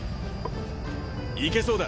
いけそうだ。